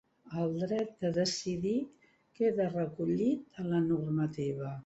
El dret de decidir queda recollit a la normativa